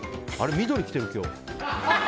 緑着てるな今日。